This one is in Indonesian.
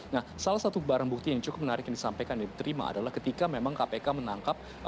nah salah satu barang bukti yang cukup menarik yang disampaikan dan diterima adalah ketika memang kpk menangkap